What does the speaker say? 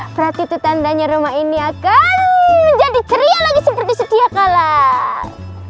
berarti itu tandanya rumah ini akan menjadi ceria lagi seperti setiap kalang